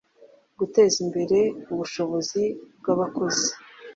Guteza imbere ubushobozi bw abakozi